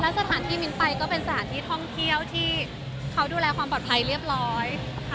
สถานที่มิ้นไปก็เป็นสถานที่ท่องเที่ยวที่เขาดูแลความปลอดภัยเรียบร้อยค่ะ